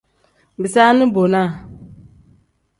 Bisaani bonaa.